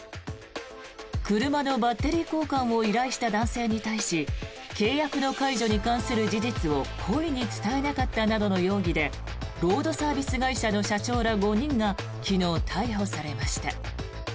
車のバッテリー交換を依頼した男性に対し契約の解除に関する事実を故意に伝えなかったなどの容疑でロードサービス会社の社長ら５人が昨日逮捕されました。